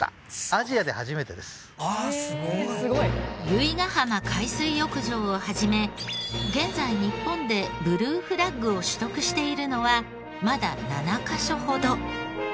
由比ガ浜海水浴場を始め現在日本でブルーフラッグを取得しているのはまだ７カ所ほど。